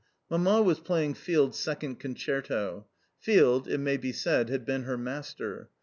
Mamma was playing Field's second concerto. Field, it may be said, had been her master.